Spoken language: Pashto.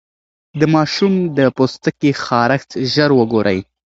د ماشوم د پوستکي خارښت ژر وګورئ.